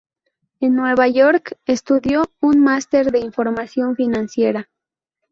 En Nueva York estudió un máster de información financiera.